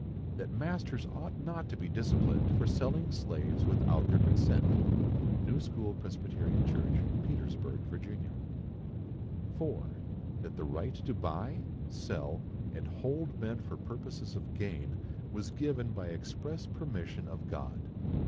That masters ought not to be disciplined for selling slaves without their consent. (New school Pres. Church, Petersburg, Va.) 4. That the right to buy, sell, and hold men for purposes of gain, was given by express permission of God.